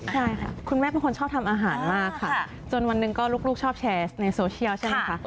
ใช่ค่ะคุณแม่เป็นคนชอบทำอาหารมากค่ะจนวันหนึ่งก็ลูกชอบแชร์ในโซเชียลใช่ไหมคะ